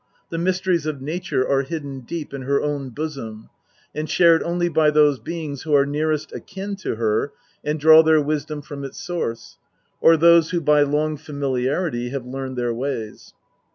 The mysteries of nature are hidden deep in her own bosom, and shared only by those beings who are nearest akin to her and draw their wisdom from its source, or those who by long familiarity have learned her ways.